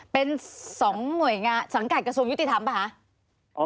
เป็น๒หน่วยงานสังกัดกระทรวงยุติธรรมป่ะคะ